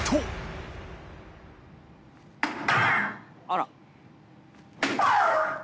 あら。